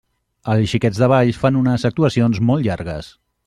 Els Xiquets de Valls fan unes actuacions molt llargues.